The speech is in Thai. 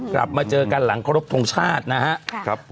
กลับมาเจอกันหลังครบทรงชาตินะครับ